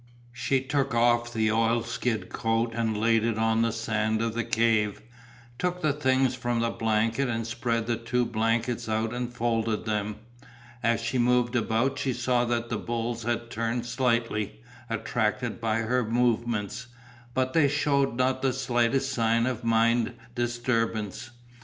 She took off the oilskin coat and laid it on the sand of the cave, took the things from the blanket and spread the two blankets out and folded them. As she moved about she saw that the bulls had turned slightly, attracted by her movements, but they shewed not the slightest sign of mind disturbance.